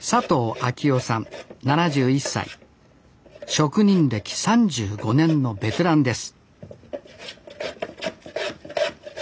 職人歴３５年のベテランです